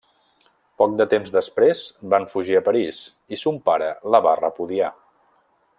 Poc de temps després, van fugir a París, i son pare la va repudiar.